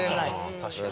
確かに。